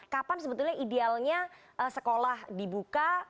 kapan sebetulnya idealnya sekolah dibuka